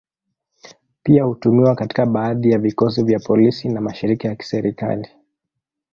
Pia hutumiwa katika baadhi ya vikosi vya polisi na mashirika ya kiserikali.